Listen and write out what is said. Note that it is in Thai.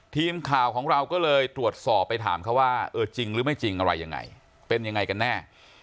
ทีมข่าวของเราก็เลยตรวจสอบไปถามเขาว่าเออจริงหรือไม่จริงอะไรยังไงเป็นยังไงกันแน่